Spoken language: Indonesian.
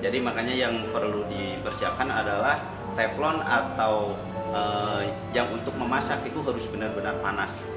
jadi makanya yang perlu di persiapkan adalah teflon atau yang untuk memasak itu harus benar benar panas